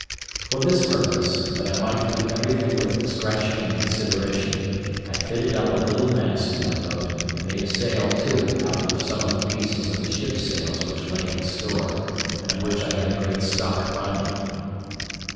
For this purpose, that I might do everything with discretion and consideration, I fitted up a little mast in my boat, and made a sail too out of some of the pieces of the ship's sails which lay in store, and of which I had a great stock by me.